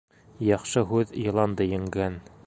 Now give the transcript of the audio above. Яҡшы һүҙ йыланды еңгән.